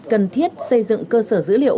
cần thiết xây dựng cơ sở dữ liệu